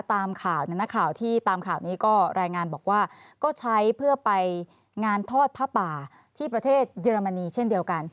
ตามข่าวนักข่าวที่ตามข่าวนี้ก็รายงานบอกว่าก็ใช้เพื่อไปงานทอดผ้าป่าที่ประเทศเยอรมนีเช่นเดียวกัน